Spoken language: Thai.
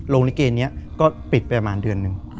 ลิเกนี้ก็ปิดไปประมาณเดือนหนึ่ง